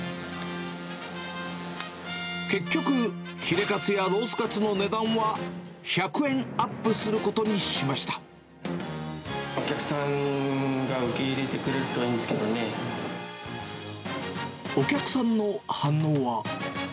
結局、ヒレかつやロースかつの値段は１００円アップすることにしましお客さんが受け入れてくれるお客さんの反応は。